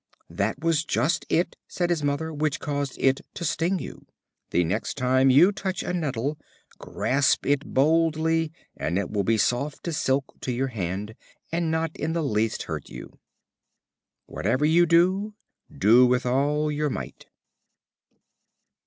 "That was just it," said his mother, "which caused it to sting you. The next time you touch a Nettle, grasp it boldly, and it will be soft as silk to your hand, and not in the least hurt you." Whatever you do, do with all your might.